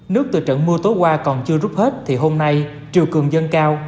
nước từ trận mưa tối qua còn chưa rút hết thì hôm nay triều cường dân cao